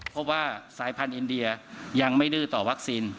เพราะว่าสายพันธุ์อินเดียยังไม่ดื้อต่อวัคซีน